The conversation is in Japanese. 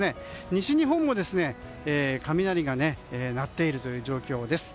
西日本も雷が鳴っているという状況です。